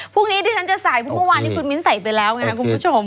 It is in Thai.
พรุ่งนี้ที่ฉันจะใส่เพราะเมื่อวานที่คุณมิ้นใส่ไปแล้วไงครับคุณผู้ชม